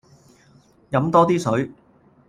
飲多啲水